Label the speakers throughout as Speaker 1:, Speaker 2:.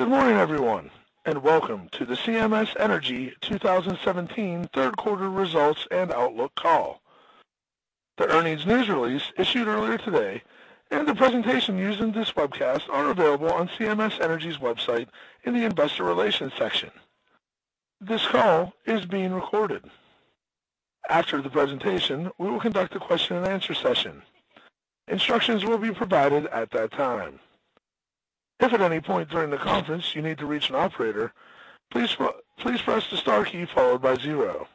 Speaker 1: Good morning, everyone, and welcome to the CMS Energy 2017 third quarter results and outlook call. The earnings news release issued earlier today and the presentation used in this webcast are available on CMS Energy's website in the investor relations section. This call is being recorded. After the presentation, we will conduct a question-and-answer session. Instructions will be provided at that time. If at any point during the conference you need to reach an operator, please press the star key followed by zero.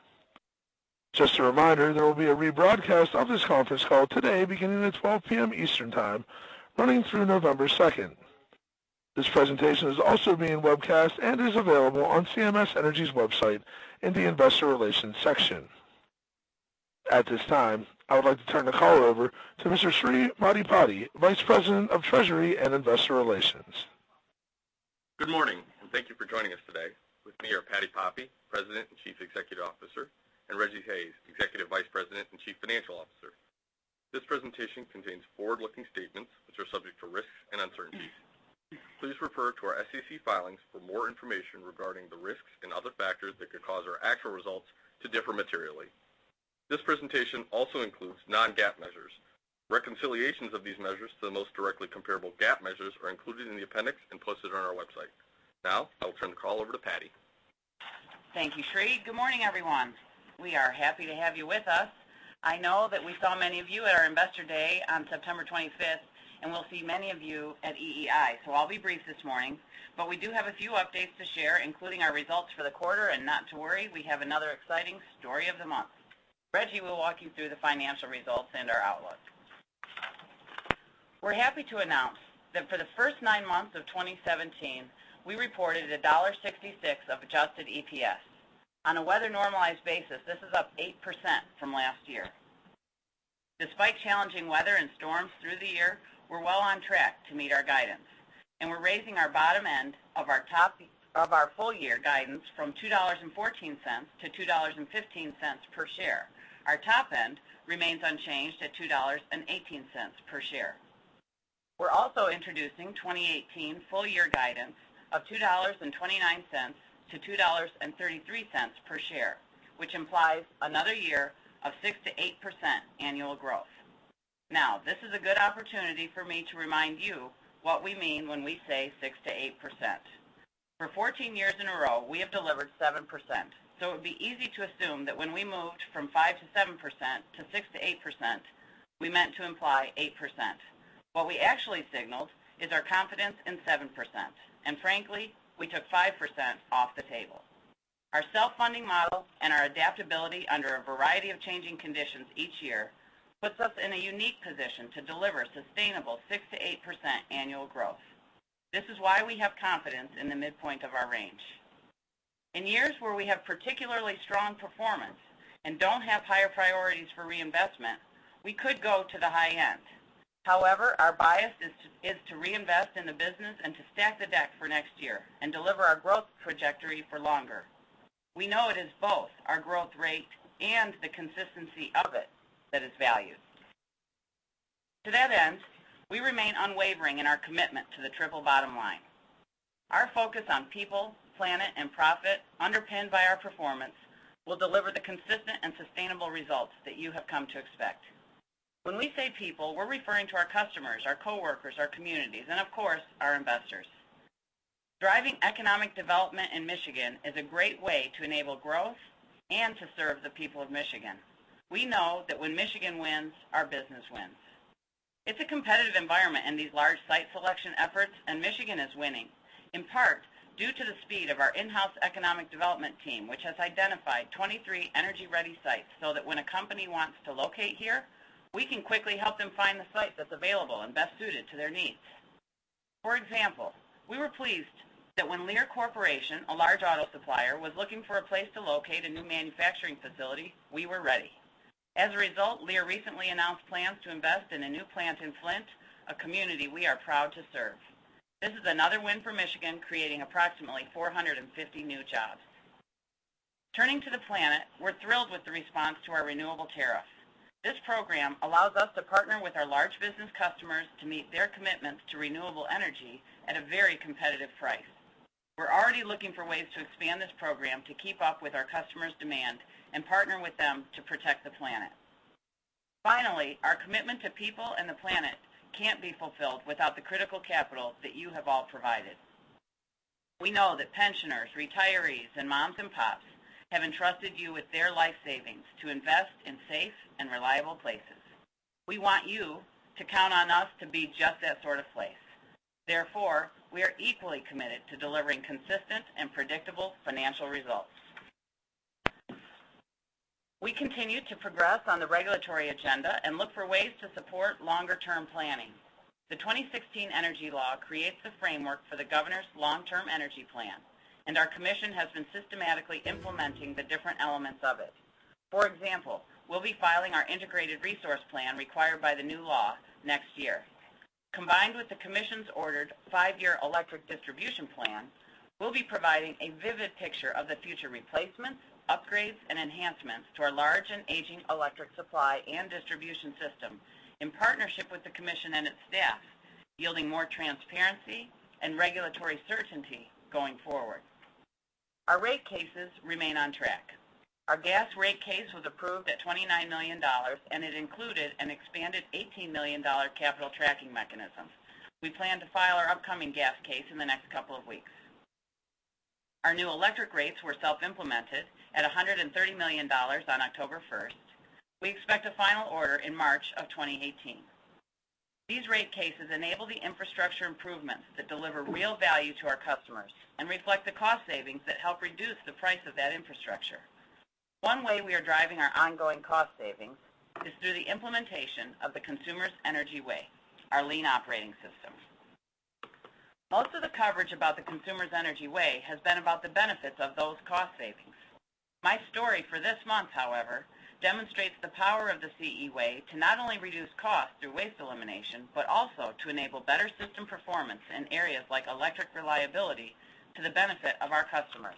Speaker 1: Just a reminder, there will be a rebroadcast of this conference call today beginning at 12:00 P.M. Eastern Time, running through November 2nd. This presentation is also being webcast and is available on CMS Energy's website in the investor relations section. At this time, I would like to turn the call over to Mr. Sri Maddipati, Vice President of Treasury and Investor Relations.
Speaker 2: Good morning, and thank you for joining us today. With me are Patti Poppe, President and Chief Executive Officer, and Rejji Hayes, Executive Vice President and Chief Financial Officer. This presentation contains forward-looking statements which are subject to risks and uncertainties. Please refer to our SEC filings for more information regarding the risks and other factors that could cause our actual results to differ materially. This presentation also includes non-GAAP measures. Reconciliations of these measures to the most directly comparable GAAP measures are included in the appendix and posted on our website. I will turn the call over to Patti.
Speaker 3: Thank you, Sri. Good morning, everyone. We are happy to have you with us. I know that we saw many of you at our Investor Day on September 25th, and we'll see many of you at EEI. I'll be brief this morning. We do have a few updates to share, including our results for the quarter, and not to worry, we have another exciting story of the month. Rejji will walk you through the financial results and our outlook. We're happy to announce that for the first nine months of 2017, we reported a $1.66 of adjusted EPS. On a weather-normalized basis, this is up 8% from last year. Despite challenging weather and storms through the year, we're well on track to meet our guidance, and we're raising our bottom end of our full year guidance from $2.14-$2.15 per share. Our top end remains unchanged at $2.18 per share. We're also introducing 2018 full-year guidance of $2.29-$2.33 per share, which implies another year of 6%-8% annual growth. This is a good opportunity for me to remind you what we mean when we say 6%-8%. For 14 years in a row, we have delivered 7%, so it would be easy to assume that when we moved from 5%-7% to 6%-8%, we meant to imply 8%. What we actually signaled is our confidence in 7%, and frankly, we took 5% off the table. Our self-funding model and our adaptability under a variety of changing conditions each year puts us in a unique position to deliver sustainable 6%-8% annual growth. This is why we have confidence in the midpoint of our range. In years where we have particularly strong performance and don't have higher priorities for reinvestment, we could go to the high end. However, our bias is to reinvest in the business and to stack the deck for next year and deliver our growth trajectory for longer. We know it is both our growth rate and the consistency of it that is valued. To that end, we remain unwavering in our commitment to the triple bottom line. Our focus on people, planet, and profit underpinned by our performance will deliver the consistent and sustainable results that you have come to expect. When we say people, we're referring to our customers, our coworkers, our communities, and of course, our investors. Driving economic development in Michigan is a great way to enable growth and to serve the people of Michigan. We know that when Michigan wins, our business wins. It's a competitive environment in these large site selection efforts, and Michigan is winning, in part due to the speed of our in-house economic development team, which has identified 23 energy-ready sites so that when a company wants to locate here, we can quickly help them find the site that's available and best suited to their needs. For example, we were pleased that when Lear Corporation, a large auto supplier, was looking for a place to locate a new manufacturing facility, we were ready. As a result, Lear recently announced plans to invest in a new plant in Flint, a community we are proud to serve. This is another win for Michigan, creating approximately 450 new jobs. Turning to the planet, we're thrilled with the response to our renewable tariff. This program allows us to partner with our large business customers to meet their commitments to renewable energy at a very competitive price. We're already looking for ways to expand this program to keep up with our customers' demand and partner with them to protect the planet. Finally, our commitment to people and the planet can't be fulfilled without the critical capital that you have all provided. We know that pensioners, retirees, and moms and pops have entrusted you with their life savings to invest in safe and reliable places. We want you to count on us to be just that sort of place. Therefore, we are equally committed to delivering consistent and predictable financial results. We continue to progress on the regulatory agenda and look for ways to support longer-term planning. The 2016 energy law creates the framework for the governor's long-term energy plan, and our commission has been systematically implementing the different elements of it. For example, we'll be filing our integrated resource plan required by the new law next year. Combined with the commission's ordered five-year electric distribution plan, we'll be providing a vivid picture of the future replacements, upgrades, and enhancements to our large and aging electric supply and distribution system in partnership with the commission and its staff, yielding more transparency and regulatory certainty going forward. Our rate cases remain on track. Our gas rate case was approved at $29 million, and it included an expanded $18 million capital tracking mechanism. We plan to file our upcoming gas case in the next couple of weeks. Our new electric rates were self-implemented at $130 million on October 1st. We expect a final order in March of 2018. These rate cases enable the infrastructure improvements that deliver real value to our customers and reflect the cost savings that help reduce the price of that infrastructure. One way we are driving our ongoing cost savings is through the implementation of the Consumers Energy Way, our lean operating system. Most of the coverage about the Consumers Energy Way has been about the benefits of those cost savings. My story for this month, however, demonstrates the power of the CE Way to not only reduce cost through waste elimination, but also to enable better system performance in areas like electric reliability to the benefit of our customers.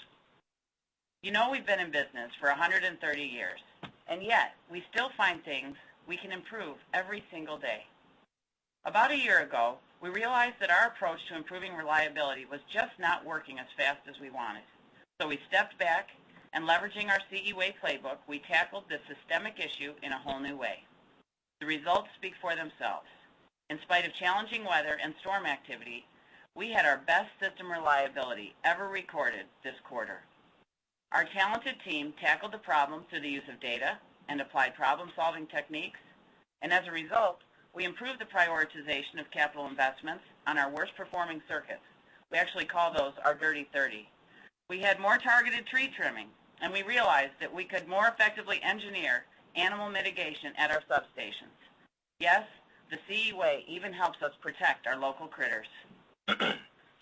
Speaker 3: You know we've been in business for 130 years, and yet we still find things we can improve every single day. About a year ago, we realized that our approach to improving reliability was just not working as fast as we wanted. We stepped back and, leveraging our CE Way playbook, we tackled this systemic issue in a whole new way. The results speak for themselves. In spite of challenging weather and storm activity, we had our best system reliability ever recorded this quarter. Our talented team tackled the problem through the use of data and applied problem-solving techniques, as a result, we improved the prioritization of capital investments on our worst-performing circuits. We actually call those our Dirty 30. We had more targeted tree trimming, and we realized that we could more effectively engineer animal mitigation at our substations. Yes, the CE Way even helps us protect our local critters.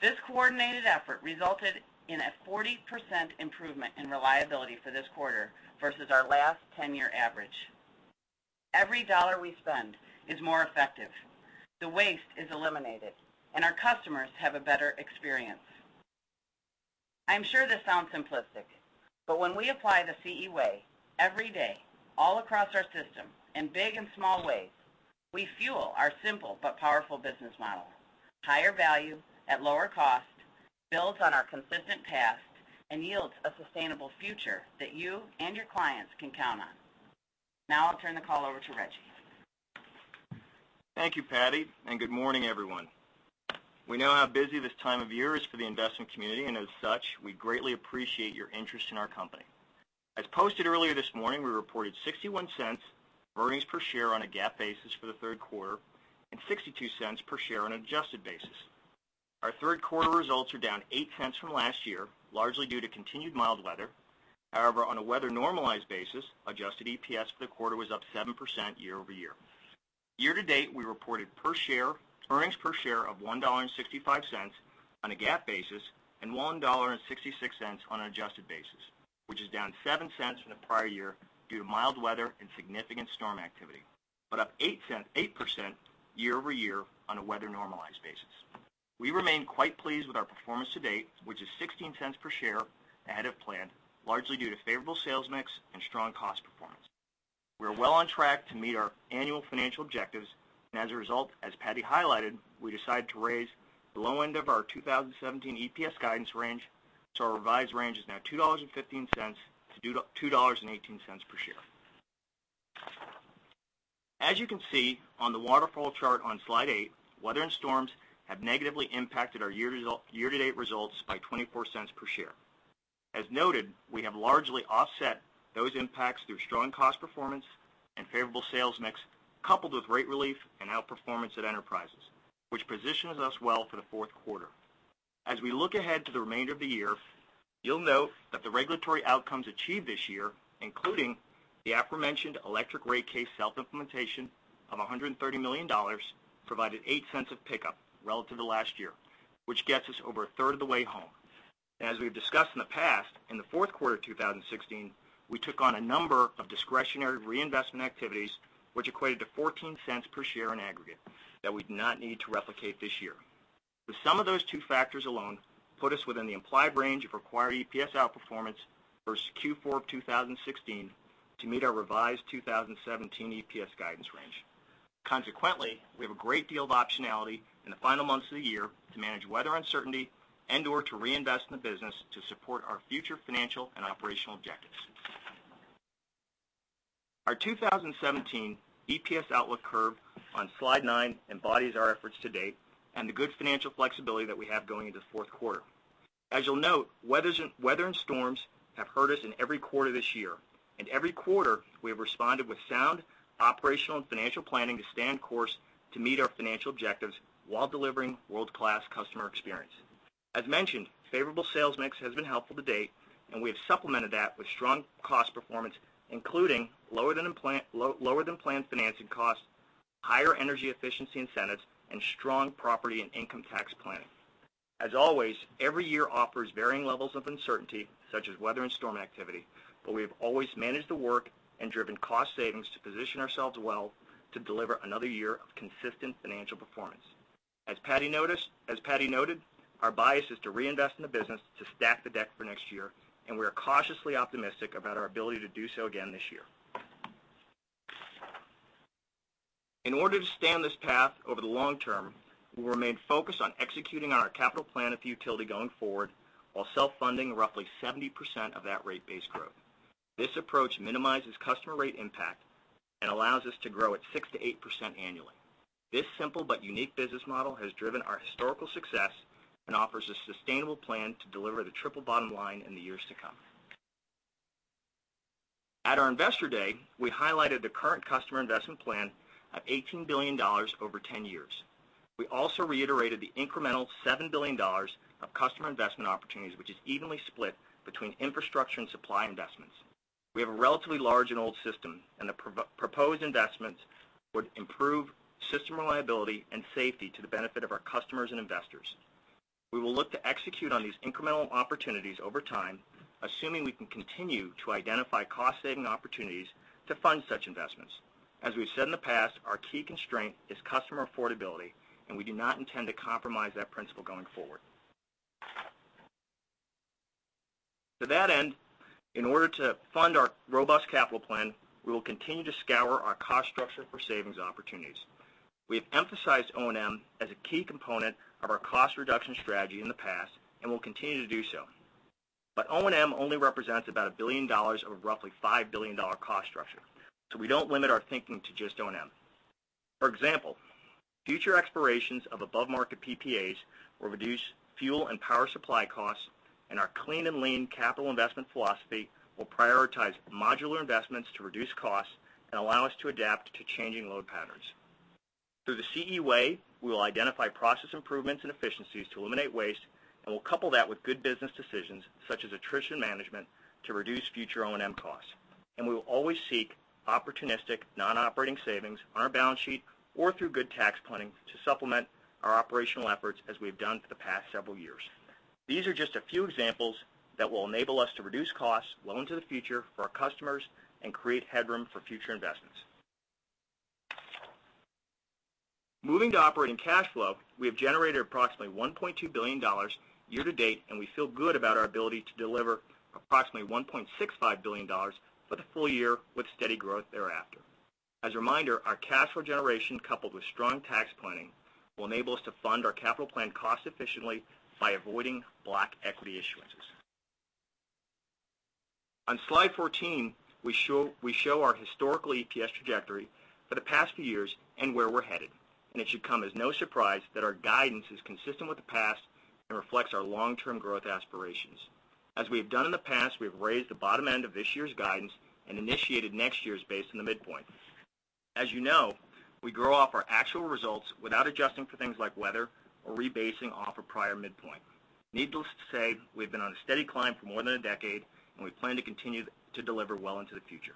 Speaker 3: This coordinated effort resulted in a 40% improvement in reliability for this quarter versus our last 10-year average. Every dollar we spend is more effective. The waste is eliminated, and our customers have a better experience. I am sure this sounds simplistic, but when we apply the CE Way every day, all across our system, in big and small ways, we fuel our simple but powerful business model. Higher value at lower cost builds on our consistent past and yields a sustainable future that you and your clients can count on. I'll turn the call over to Rejji.
Speaker 4: Thank you, Patti. Good morning, everyone. We know how busy this time of year is for the investment community, and as such, we greatly appreciate your interest in our company. As posted earlier this morning, we reported $0.61 earnings per share on a GAAP basis for the third quarter and $0.62 per share on an adjusted basis. Our third quarter results are down $0.08 from last year, largely due to continued mild weather. However, on a weather-normalized basis, adjusted EPS for the quarter was up 7% year-over-year. Year to date, we reported earnings per share of $1.65 on a GAAP basis and $1.66 on an adjusted basis, which is down $0.07 from the prior year due to mild weather and significant storm activity, but up 8% year-over-year on a weather-normalized basis. We remain quite pleased with our performance to date, which is $0.16 per share ahead of plan, largely due to favorable sales mix and strong cost performance. We are well on track to meet our annual financial objectives. As a result, as Patti highlighted, we decided to raise the low end of our 2017 EPS guidance range. Our revised range is now $2.15-$2.18 per share. As you can see on the waterfall chart on slide eight, weather and storms have negatively impacted our year-to-date results by $0.24 per share. As noted, we have largely offset those impacts through strong cost performance and favorable sales mix coupled with rate relief and outperformance at enterprises, which positions us well for the fourth quarter. As we look ahead to the remainder of the year, you'll note that the regulatory outcomes achieved this year, including the aforementioned electric rate case self-implementation of $130 million, provided $0.08 of pickup relative to last year, which gets us over a third of the way home. As we've discussed in the past, in the fourth quarter of 2016, we took on a number of discretionary reinvestment activities, which equated to $0.14 per share in aggregate that we do not need to replicate this year. The sum of those two factors alone put us within the implied range of required EPS outperformance versus Q4 of 2016 to meet our revised 2017 EPS guidance range. Consequently, we have a great deal of optionality in the final months of the year to manage weather uncertainty and/or to reinvest in the business to support our future financial and operational objectives. Our 2017 EPS outlook curve on slide nine embodies our efforts to date and the good financial flexibility that we have going into the fourth quarter. As you'll note, weather and storms have hurt us in every quarter this year. Every quarter, we have responded with sound operational and financial planning to stand course to meet our financial objectives while delivering world-class customer experience. As mentioned, favorable sales mix has been helpful to date. We have supplemented that with strong cost performance, including lower-than-planned financing costs, higher energy efficiency incentives, and strong property and income tax planning. As always, every year offers varying levels of uncertainty, such as weather and storm activity. We have always managed the work and driven cost savings to position ourselves well to deliver another year of consistent financial performance. As Patti noted, our bias is to reinvest in the business to stack the deck for next year. We're cautiously optimistic about our ability to do so again this year. In order to stay on this path over the long term, we'll remain focused on executing on our capital plan at the utility going forward, while self-funding roughly 70% of that rate base growth. This approach minimizes customer rate impact and allows us to grow at 6%-8% annually. This simple but unique business model has driven our historical success and offers a sustainable plan to deliver the triple bottom line in the years to come. At our Investor Day, we highlighted the current customer investment plan of $18 billion over 10 years. We also reiterated the incremental $7 billion of customer investment opportunities, which is evenly split between infrastructure and supply investments. We have a relatively large and old system. The proposed investments would improve system reliability and safety to the benefit of our customers and investors. We will look to execute on these incremental opportunities over time, assuming we can continue to identify cost-saving opportunities to fund such investments. As we've said in the past, our key constraint is customer affordability. We do not intend to compromise that principle going forward. To that end, in order to fund our robust capital plan, we will continue to scour our cost structure for savings opportunities. We have emphasized O&M as a key component of our cost reduction strategy in the past. We will continue to do so. O&M only represents about $1 billion of a roughly $5 billion cost structure. We don't limit our thinking to just O&M. For example, future expirations of above-market PPAs will reduce fuel and power supply costs. Our clean and lean capital investment philosophy will prioritize modular investments to reduce costs and allow us to adapt to changing load patterns. Through the CE Way, we will identify process improvements and efficiencies to eliminate waste. We will couple that with good business decisions, such as attrition management, to reduce future O&M costs. We will always seek opportunistic non-operating savings on our balance sheet or through good tax planning to supplement our operational efforts as we've done for the past several years. These are just a few examples that will enable us to reduce costs well into the future for our customers and create headroom for future investments. Moving to operating cash flow, we have generated approximately $1.2 billion year to date. We feel good about our ability to deliver approximately $1.65 billion for the full year, with steady growth thereafter. As a reminder, our cash flow generation, coupled with strong tax planning, will enable us to fund our capital plan cost efficiently by avoiding block equity issuances. On slide 14, we show our historical EPS trajectory for the past few years and where we're headed. It should come as no surprise that our guidance is consistent with the past and reflects our long-term growth aspirations. As we have done in the past, we've raised the bottom end of this year's guidance. We initiated next year's base in the midpoint. As you know, we grow off our actual results without adjusting for things like weather or rebasing off a prior midpoint. Needless to say, we've been on a steady climb for more than a decade. We plan to continue to deliver well into the future.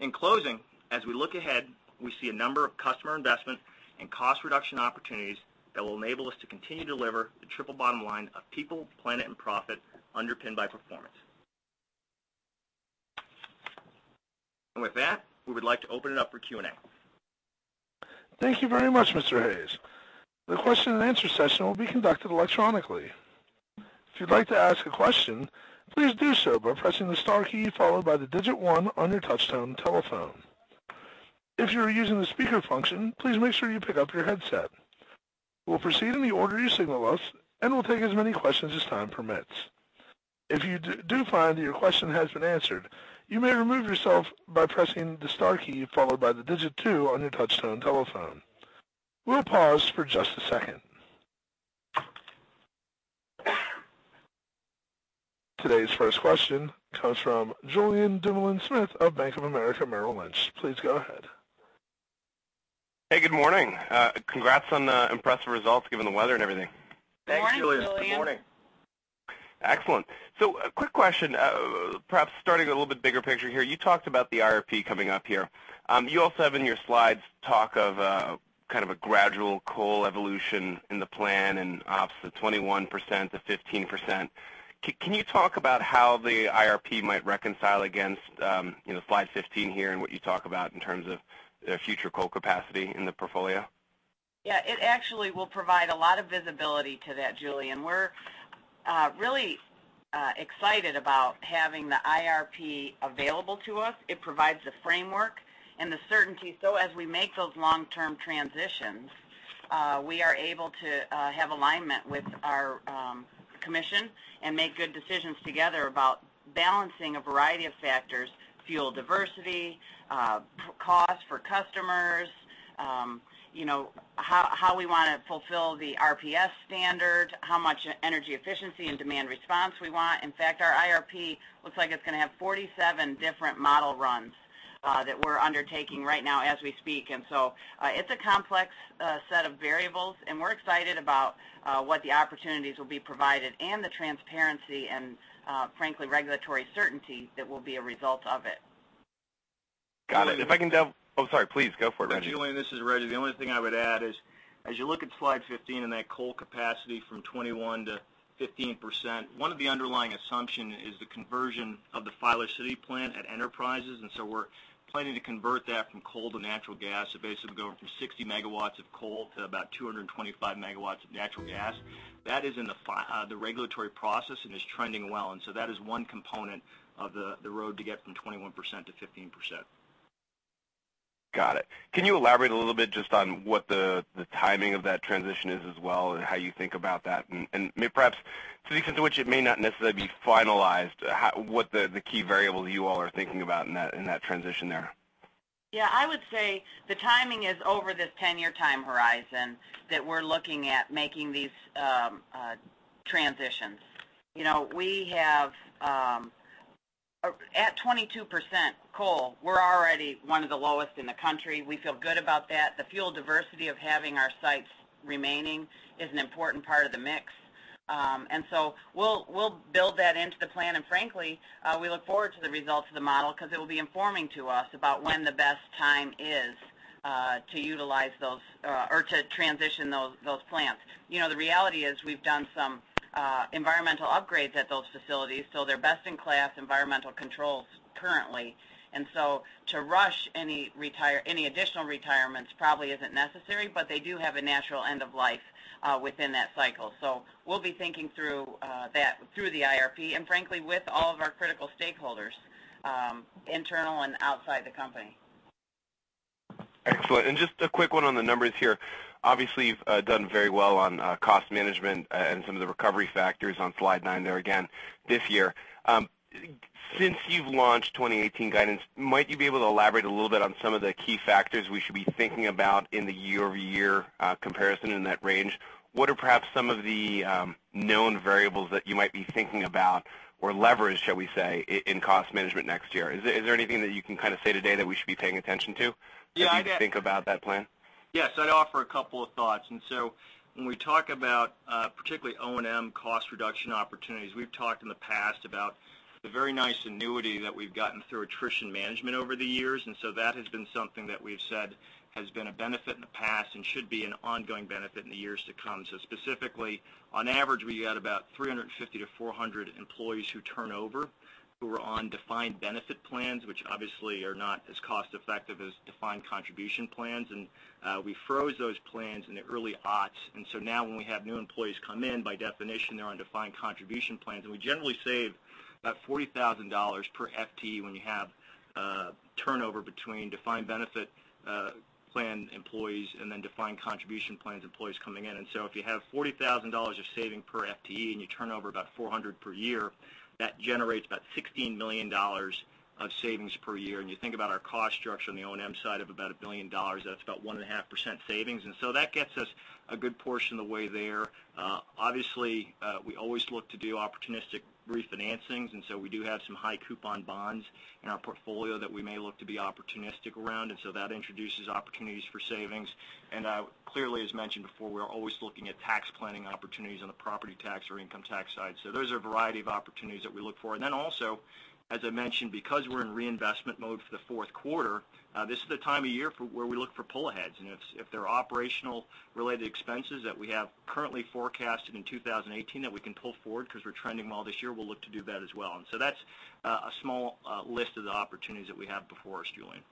Speaker 4: In closing, as we look ahead, we see a number of customer investment and cost reduction opportunities that will enable us to continue to deliver the triple bottom line of people, planet, and profit underpinned by performance. With that, we would like to open it up for Q&A.
Speaker 1: Thank you very much, Mr. Hayes. The question and answer session will be conducted electronically. If you'd like to ask a question, please do so by pressing the star key, followed by the digit one on your touchtone telephone. If you are using the speaker function, please make sure you pick up your headset. We'll proceed in the order you signal us, and we'll take as many questions as time permits. If you do find that your question has been answered, you may remove yourself by pressing the star key followed by the digit two on your touchtone telephone. We'll pause for just a second. Today's first question comes from Julien Dumoulin-Smith of Bank of America Merrill Lynch. Please go ahead.
Speaker 5: Hey, good morning. Congrats on the impressive results given the weather and everything.
Speaker 4: Thanks, Julien. Good morning.
Speaker 3: Good morning, Julien.
Speaker 5: Excellent. A quick question, perhaps starting a little bit bigger picture here. You talked about the IRP coming up here. You also have in your slides talk of a gradual coal evolution in the plan and ops of 21% to 15%. Can you talk about how the IRP might reconcile against slide 15 here and what you talk about in terms of future coal capacity in the portfolio?
Speaker 3: Yeah, it actually will provide a lot of visibility to that, Julien. We're really excited about having the IRP available to us. It provides the framework and the certainty so as we make those long-term transitions, we are able to have alignment with our commission and make good decisions together about balancing a variety of factors, fuel diversity, cost for customers, how we want to fulfill the RPS standard, how much energy efficiency and demand response we want. In fact, our IRP looks like it's going to have 47 different model runs that we're undertaking right now as we speak. It's a complex set of variables, and we're excited about what the opportunities will be provided and the transparency and, frankly, regulatory certainty that will be a result of it.
Speaker 5: Got it. Oh, sorry. Please go for it, Rejji.
Speaker 4: Julien, this is Rejji. The only thing I would add is as you look at slide 15 and that coal capacity from 21% to 15%, one of the underlying assumption is the conversion of the Filer City plant at Enterprises. We're planning to convert that from coal to natural gas. Basically going from 60 MW of coal to about 225 MW of natural gas. That is in the regulatory process and is trending well, and that is one component of the road to get from 21% to 15%.
Speaker 5: Got it. Can you elaborate a little bit just on what the timing of that transition is as well, and how you think about that? Perhaps to the extent to which it may not necessarily be finalized, what the key variables you all are thinking about in that transition there?
Speaker 3: Yeah, I would say the timing is over this 10-year time horizon that we're looking at making these transitions. At 22% coal, we're already one of the lowest in the country. We feel good about that. The fuel diversity of having our sites remaining is an important part of the mix. We'll build that into the plan, and frankly, we look forward to the results of the model because it will be informing to us about when the best time is to transition those plants. The reality is we've done some environmental upgrades at those facilities, so they're best-in-class environmental controls currently. To rush any additional retirements probably isn't necessary, but they do have a natural end of life within that cycle. We'll be thinking through the IRP, and frankly, with all of our critical stakeholders, internal and outside the company.
Speaker 5: Excellent. Just a quick one on the numbers here. Obviously, you've done very well on cost management and some of the recovery factors on slide nine there again this year. Since you've launched 2018 guidance, might you be able to elaborate a little bit on some of the key factors we should be thinking about in the year-over-year comparison in that range? What are perhaps some of the known variables that you might be thinking about or leverage, shall we say, in cost management next year? Is there anything that you can say today that we should be paying attention to?
Speaker 4: Yeah.
Speaker 5: As you think about that plan?
Speaker 4: Yes, I'd offer a couple of thoughts. When we talk about particularly O&M cost reduction opportunities, we've talked in the past about the very nice annuity that we've gotten through attrition management over the years. That has been something that we've said has been a benefit in the past and should be an ongoing benefit in the years to come. Specifically, on average, we've got about 350-400 employees who turnover who are on defined benefit plans, which obviously are not as cost-effective as defined contribution plans. We froze those plans in the early aughts. Now when we have new employees come in, by definition, they're on defined contribution plans. We generally save about $40,000 per FTE when you have turnover between defined benefit plan employees and then defined contribution plan employees coming in. If you have $40,000 of saving per FTE and you turn over about 400 per year, that generates about $16 million of savings per year. You think about our cost structure on the O&M side of about $1 billion, that's about 1.5% savings. That gets us a good portion of the way there. Obviously, we always look to do opportunistic refinancings, and so we do have some high-coupon bonds in our portfolio that we may look to be opportunistic around. That introduces opportunities for savings. Clearly, as mentioned before, we're always looking at tax planning opportunities on the property tax or income tax side. Those are a variety of opportunities that we look for. Also, as I mentioned, because we're in reinvestment mode for the fourth quarter, this is the time of year where we look for pull aheads. If there are operational-related expenses that we have currently forecasted in 2018 that we can pull forward because we're trending well this year, we'll look to do that as well. That's a small list of the opportunities that we have before us, Julien.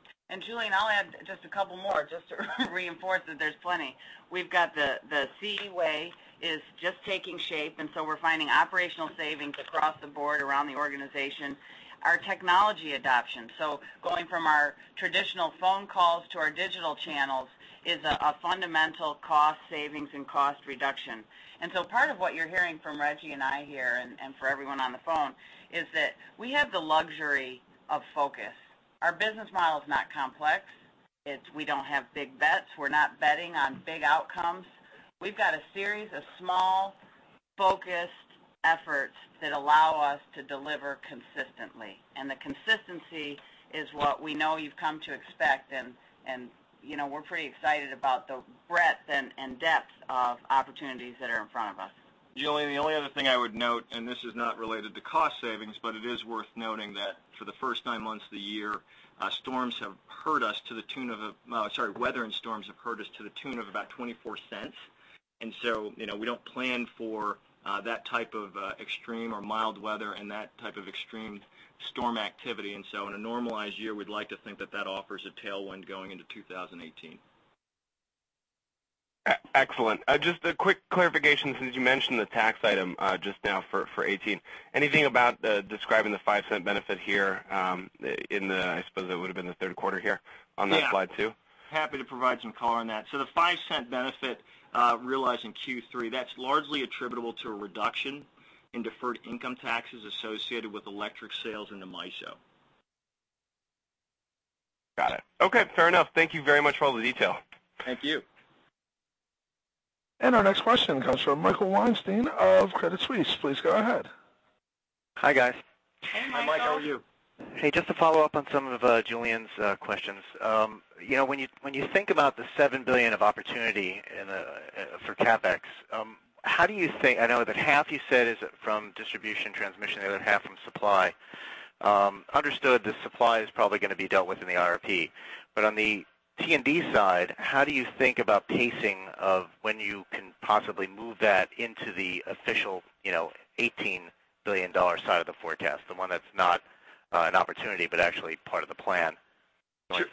Speaker 3: Julien, I'll add just a couple more just to reinforce that there's plenty. We've got the CE Way is just taking shape, so we're finding operational savings across the board around the organization. Our technology adoption, so going from our traditional phone calls to our digital channels, is a fundamental cost savings and cost reduction. Part of what you're hearing from Rejji and I here, and for everyone on the phone, is that we have the luxury of focus. Our business model is not complex. We don't have big bets. We're not betting on big outcomes. We've got a series of small, focused efforts that allow us to deliver consistently, and the consistency is what we know you've come to expect, and we're pretty excited about the breadth and depth of opportunities that are in front of us.
Speaker 4: Julien, the only other thing I would note, and this is not related to cost savings, but it is worth noting that for the first nine months of the year, weather and storms have hurt us to the tune of about $0.24. We don't plan for that type of extreme or mild weather and that type of extreme storm activity. In a normalized year, we'd like to think that that offers a tailwind going into 2018.
Speaker 5: Excellent. Just a quick clarification because you mentioned the tax item just now for 2018. Anything about describing the $0.05 benefit here in the, I suppose it would've been the third quarter here on that slide, too?
Speaker 4: Yeah. Happy to provide some color on that. The $0.05 benefit realized in Q3, that's largely attributable to a reduction in deferred income taxes associated with electric sales into MISO.
Speaker 5: Got it. Okay, fair enough. Thank you very much for all the detail.
Speaker 4: Thank you.
Speaker 1: Our next question comes from Michael Weinstein of Credit Suisse. Please go ahead.
Speaker 6: Hi, guys.
Speaker 3: Hey, Michael.
Speaker 4: Hi, Mike. How are you?
Speaker 6: Hey, just to follow up on some of Julien's questions. When you think about the $7 billion of opportunity for CapEx, I know that half you said is from distribution transmission, the other half from supply. Understood that supply is probably going to be dealt with in the IRP, but on the T&D side, how do you think about pacing of when you can possibly move that into the official $18 billion side of the forecast, the one that's not an opportunity, but actually part of the plan going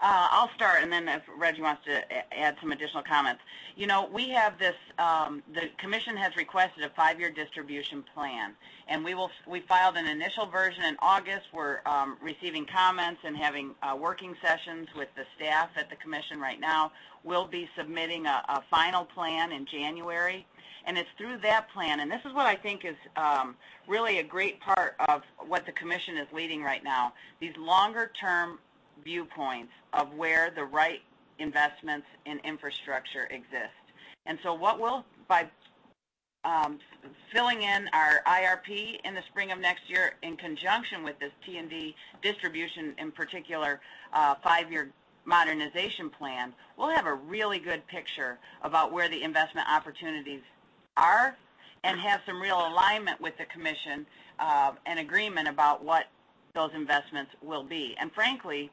Speaker 6: forward?
Speaker 3: I'll start, and then if Rejji wants to add some additional comments. The commission has requested a five-year distribution plan, and we filed an initial version in August. We're receiving comments and having working sessions with the staff at the commission right now. We'll be submitting a final plan in January, and it's through that plan, and this is what I think is really a great part of what the commission is leading right now, these longer-term viewpoints of where the right investments in infrastructure exist. By filling in our IRP in the spring of next year, in conjunction with this T&D distribution, in particular five-year modernization plan, we'll have a really good picture about where the investment opportunities are and have some real alignment with the commission, an agreement about what those investments will be. Frankly,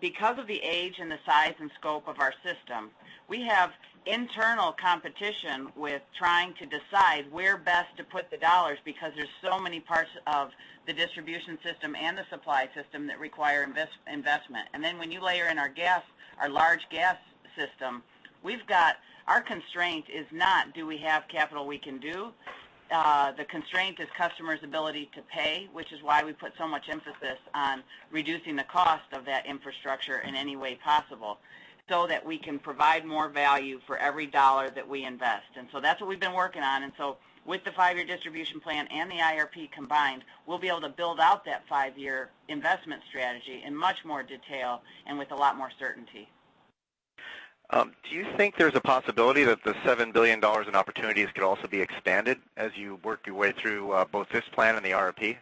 Speaker 3: because of the age and the size and scope of our system, we have internal competition with trying to decide where best to put the dollars because there's so many parts of the distribution system and the supply system that require investment. When you layer in our large gas system, our constraint is not do we have capital we can do? The constraint is customers' ability to pay, which is why we put so much emphasis on reducing the cost of that infrastructure in any way possible so that we can provide more value for every dollar that we invest. That's what we've been working on. With the five-year distribution plan and the IRP combined, we'll be able to build out that five-year investment strategy in much more detail and with a lot more certainty.
Speaker 6: Do you think there's a possibility that the $7 billion in opportunities could also be expanded as you work your way through both this plan and the IRP?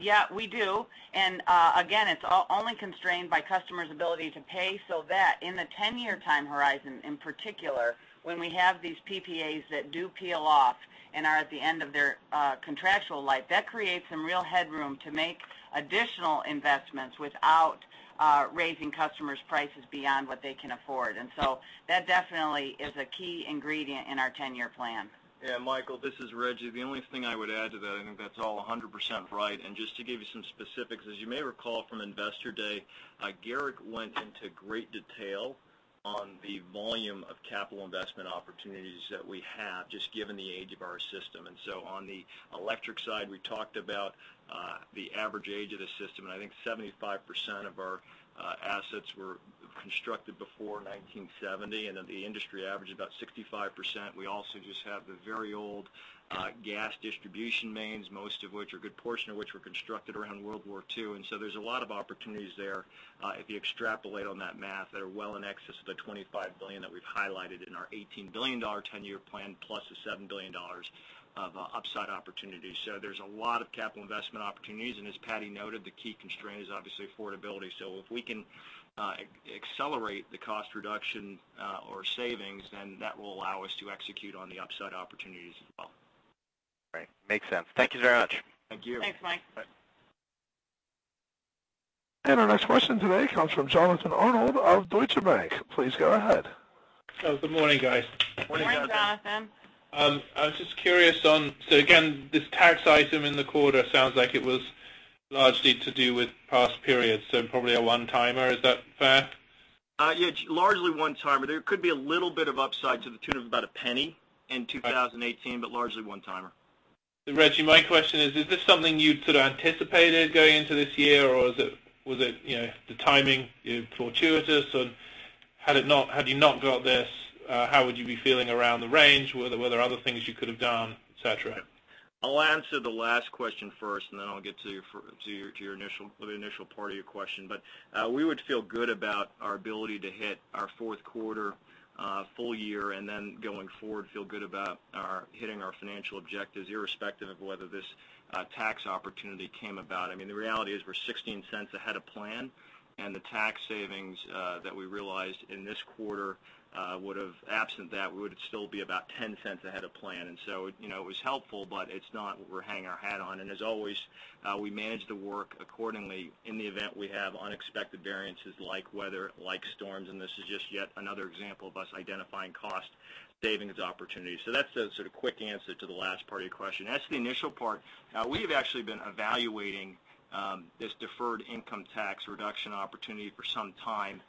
Speaker 3: Yeah, we do. Again, it's only constrained by customers' ability to pay, so that in the 10-year time horizon, in particular, when we have these PPAs that do peel off and are at the end of their contractual life, that creates some real headroom to make additional investments without raising customers' prices beyond what they can afford. That definitely is a key ingredient in our 10-year plan.
Speaker 4: Michael, this is Rejji. The only thing I would add to that, I think that's all 100% right. Just to give you some specifics, as you may recall from Investor Day, Garrick went into great detail on the volume of capital investment opportunities that we have, just given the age of our system. On the electric side, we talked about the average age of the system, and I think 75% of our assets were constructed before 1970, and that the industry average is about 65%. We also just have the very old gas distribution mains, most of which, or a good portion of which, were constructed around World War II. There's a lot of opportunities there, if you extrapolate on that math, that are well in excess of the $25 billion that we've highlighted in our $18 billion 10-year plan, plus the $7 billion of upside opportunities. There's a lot of capital investment opportunities, and as Patti noted, the key constraint is obviously affordability. If we can accelerate the cost reduction or savings, then that will allow us to execute on the upside opportunities as well.
Speaker 6: Right. Makes sense. Thank you very much.
Speaker 4: Thank you.
Speaker 3: Thanks, Mike.
Speaker 6: Bye.
Speaker 1: Our next question today comes from Jonathan Arnold of Deutsche Bank. Please go ahead.
Speaker 7: Good morning, guys.
Speaker 4: Morning, Jonathan.
Speaker 3: Morning, Jonathan.
Speaker 7: I was just curious on, again, this tax item in the quarter sounds like it was largely to do with past periods, probably a one-timer. Is that fair?
Speaker 4: Yeah. Largely one-timer. There could be a little bit of upside to the tune of about $0.01 in 2018, but largely one-timer.
Speaker 7: Rejji, my question is, is this something you'd sort of anticipated going into this year, or was it the timing is fortuitous? Had you not got this, how would you be feeling around the range? Were there other things you could have done, et cetera?
Speaker 4: I'll answer the last question first, and then I'll get to the initial part of your question. We would feel good about our ability to hit our fourth quarter full year, and then going forward, feel good about hitting our financial objectives irrespective of whether this tax opportunity came about. I mean, the reality is we're $0.16 ahead of plan, and the tax savings that we realized in this quarter would've, absent that, we would still be about $0.10 ahead of plan. It was helpful, but it's not what we're hanging our hat on. As always, we manage the work accordingly in the event we have unexpected variances like weather, like storms, and this is just yet another example of us identifying cost savings opportunities. That's the sort of quick answer to the last part of your question. As to the initial part, we have actually been evaluating this deferred income tax reduction opportunity for some time.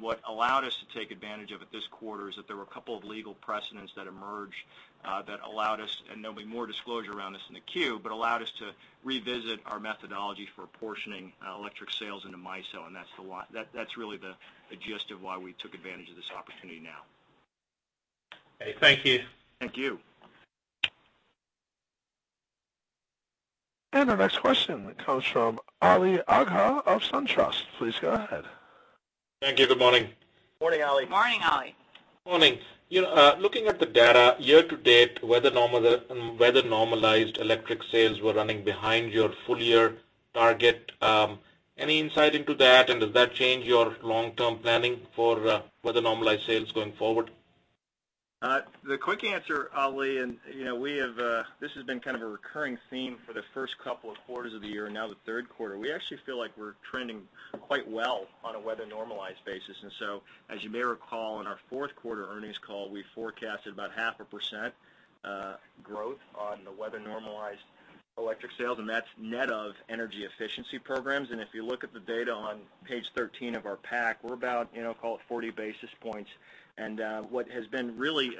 Speaker 4: What allowed us to take advantage of it this quarter is that there were a couple of legal precedents that emerged that allowed us. There'll be more disclosure around this in the Q. They allowed us to revisit our methodology for portioning electric sales into MISO. That's really the gist of why we took advantage of this opportunity now.
Speaker 7: Thank you.
Speaker 4: Thank you.
Speaker 1: Our next question comes from Ali Agha of SunTrust. Please go ahead.
Speaker 8: Thank you. Good morning.
Speaker 4: Morning, Ali.
Speaker 3: Morning, Ali.
Speaker 8: Morning. Looking at the data year to date, weather-normalized electric sales were running behind your full year target. Any insight into that? Does that change your long-term planning for weather-normalized sales going forward?
Speaker 4: The quick answer, Ali, this has been kind of a recurring theme for the first couple of quarters of the year, now the third quarter. We actually feel like we're trending quite well on a weather-normalized basis. As you may recall, in our fourth quarter earnings call, we forecasted about half a percent growth on the weather-normalized electric sales, and that's net of energy efficiency programs. If you look at the data on page 13 of our pack, we're about, call it, 40 basis points. What has been really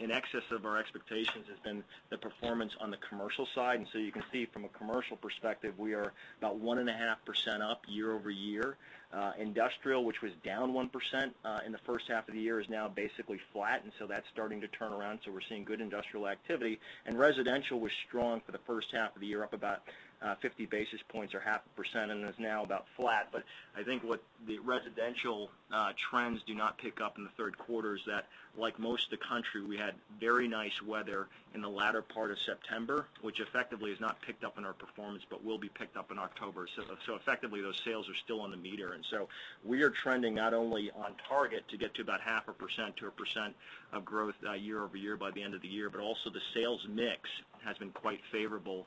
Speaker 4: in excess of our expectations has been the performance on the commercial side. You can see from a commercial perspective, we are about 1.5% up year-over-year. Industrial, which was down 1% in the first half of the year, is now basically flat. That's starting to turn around, so we're seeing good industrial activity. Residential was strong for the first half of the year, up about 50 basis points or 0.5%, and is now about flat. I think what the residential trends do not pick up in the third quarter is that, like most of the country, we had very nice weather in the latter part of September, which effectively has not picked up in our performance but will be picked up in October. Effectively, those sales are still on the meter. We are trending not only on target to get to about 0.5% to 1% of growth year-over-year by the end of the year, but also the sales mix has been quite favorable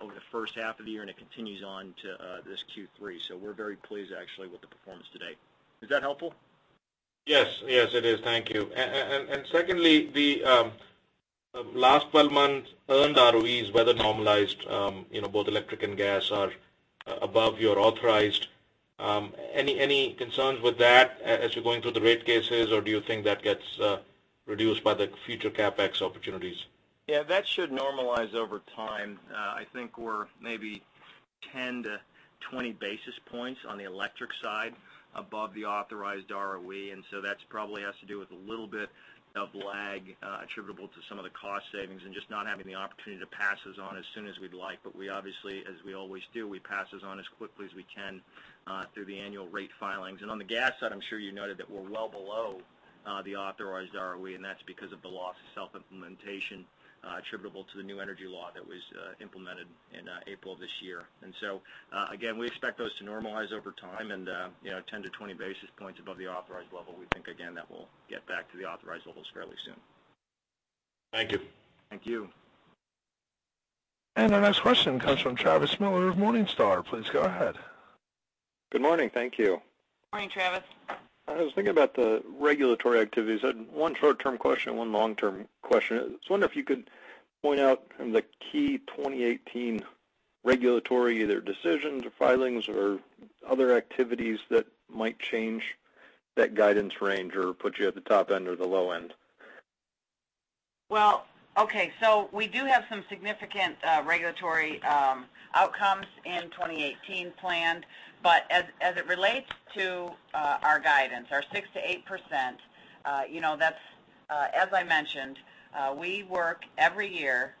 Speaker 4: over the first half of the year, and it continues on to this Q3. We're very pleased actually with the performance today. Is that helpful?
Speaker 8: Yes, it is. Thank you. Secondly, the last 12 months' earned ROEs, weather normalized, both electric and gas, are above your authorized. Any concerns with that as you're going through the rate cases, or do you think that gets reduced by the future CapEx opportunities?
Speaker 4: Yeah, that should normalize over time. I think we're maybe 10-20 basis points on the electric side above the authorized ROE. That's probably has to do with a little bit of lag attributable to some of the cost savings and just not having the opportunity to pass those on as soon as we'd like. We obviously, as we always do, we pass those on as quickly as we can through the annual rate filings. On the gas side, I'm sure you noted that we're well below the authorized ROE. That's because of the loss of self-implementation attributable to the new energy law that was implemented in April this year. Again, we expect those to normalize over time and 10-20 basis points above the authorized level. We think again that will get back to the authorized levels fairly soon.
Speaker 8: Thank you.
Speaker 4: Thank you.
Speaker 1: Our next question comes from Travis Miller of Morningstar. Please go ahead.
Speaker 9: Good morning. Thank you.
Speaker 3: Morning, Travis.
Speaker 9: I was thinking about the regulatory activities. I had one short-term question and one long-term question. I was wondering if you could point out the key 2018 regulatory, either decisions or filings or other activities that might change that guidance range or put you at the top end or the low end.
Speaker 3: Well, okay. We do have some significant regulatory outcomes in 2018 planned, but as it relates to our guidance, our 6%-8%, as I mentioned, we work every year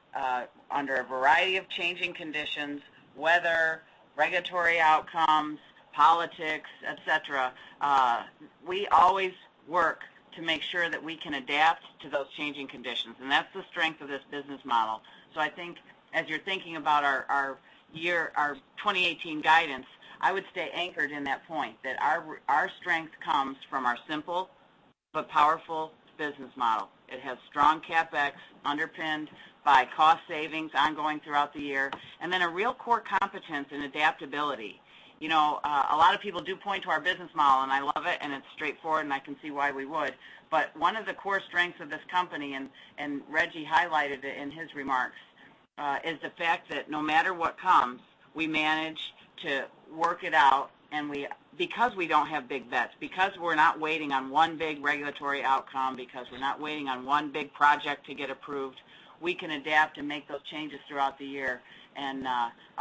Speaker 3: under a variety of changing conditions, weather, regulatory outcomes, politics, et cetera. We always work to make sure that we can adapt to those changing conditions, and that's the strength of this business model. I think as you're thinking about our 2018 guidance, I would stay anchored in that point. That our strength comes from our simple but powerful business model. It has strong CapEx underpinned by cost savings ongoing throughout the year, and then a real core competence in adaptability. A lot of people do point to our business model, and I love it, and it's straightforward, and I can see why we would. One of the core strengths of this company, and Rejji highlighted it in his remarks, is the fact that no matter what comes, we manage to work it out. Because we don't have big bets, because we're not waiting on one big regulatory outcome, because we're not waiting on one big project to get approved, we can adapt and make those changes throughout the year and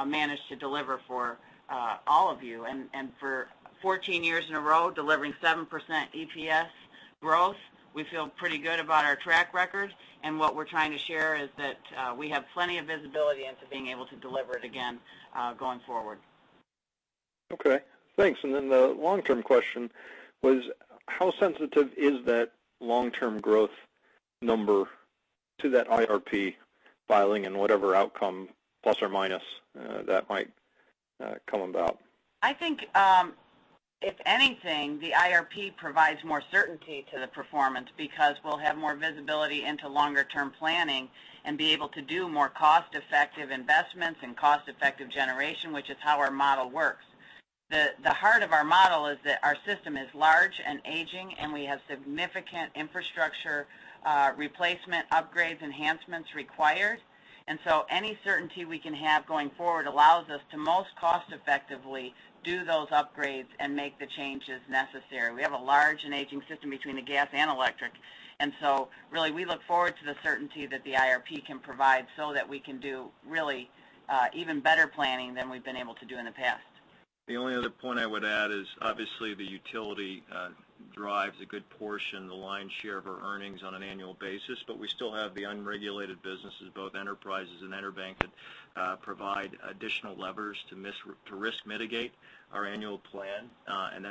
Speaker 3: manage to deliver for all of you. For 14 years in a row, delivering 7% EPS growth, we feel pretty good about our track record. What we're trying to share is that we have plenty of visibility into being able to deliver it again going forward.
Speaker 9: Okay, thanks. The long-term question was how sensitive is that long-term growth number to that IRP filing and whatever outcome, plus or minus, that might come about?
Speaker 3: I think, if anything, the IRP provides more certainty to the performance because we'll have more visibility into longer-term planning and be able to do more cost-effective investments and cost-effective generation, which is how our model works. The heart of our model is that our system is large and aging, and we have significant infrastructure replacement upgrades, enhancements required. Any certainty we can have going forward allows us to most cost-effectively do those upgrades and make the changes necessary. We have a large and aging system between the gas and electric, and so really we look forward to the certainty that the IRP can provide so that we can do really even better planning than we've been able to do in the past.
Speaker 4: The only other point I would add is obviously the utility drives a good portion of the lion's share of our earnings on an annual basis, but we still have the unregulated businesses, both enterprises and EnerBank, that provide additional levers to risk mitigate our annual plan.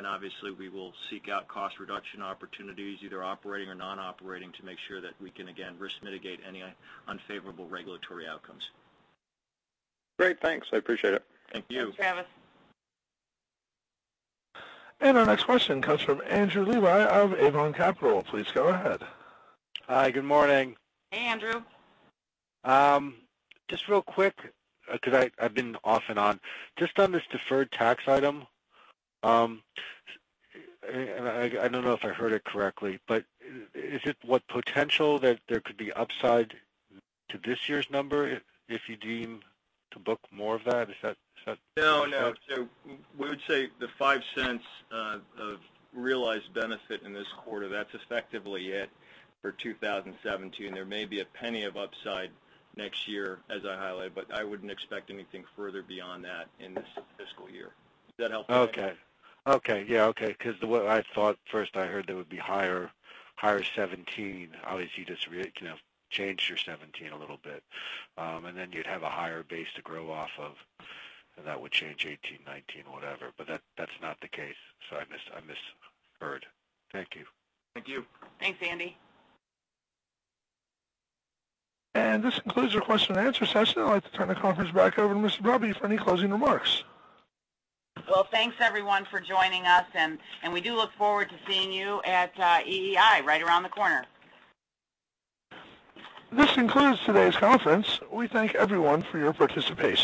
Speaker 4: Obviously, we will seek out cost reduction opportunities, either operating or non-operating, to make sure that we can again risk-mitigate any unfavorable regulatory outcomes.
Speaker 9: Great, thanks. I appreciate it.
Speaker 4: Thank you.
Speaker 3: Thanks, Travis.
Speaker 1: Our next question comes from Andrew Levi of Avon Capital. Please go ahead.
Speaker 10: Hi, good morning.
Speaker 3: Hey, Andrew.
Speaker 10: Just real quick because I've been off and on. Just on this deferred tax item, I don't know if I heard it correctly, but is it what potential that there could be upside to this year's number if you deem to book more of that? Is that correct?
Speaker 4: No. We would say the $0.05 of realized benefit in this quarter, that's effectively it for 2017. There may be a $0.01 of upside next year, as I highlighted, I wouldn't expect anything further beyond that in this fiscal year. Does that help?
Speaker 10: Yeah, okay. What I thought first I heard there would be higher 2017. Obviously, you just changed your 2017 a little bit. You'd have a higher base to grow off of, and that would change 2018, 2019, whatever. That's not the case. I misheard. Thank you.
Speaker 4: Thank you.
Speaker 3: Thanks, Andy.
Speaker 1: This concludes our question and answer session. I'd like to turn the conference back over to Ms. Poppe for any closing remarks.
Speaker 3: Well, thanks everyone for joining us, and we do look forward to seeing you at EEI right around the corner.
Speaker 1: This concludes today's conference. We thank everyone for your participation.